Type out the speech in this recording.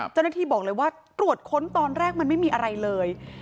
เจ้าหน้าที่บอกเลยว่าตรวจค้นตอนแรกมันไม่มีอะไรเลย